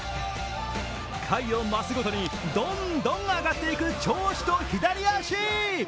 回を増すごとに、どんどん上がっていく調子と左足。